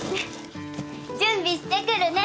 準備してくるね！